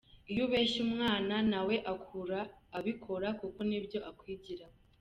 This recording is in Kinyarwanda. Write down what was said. Iyo ubeshye umwana, na we akura abikora kuko ni byo akwigiraho.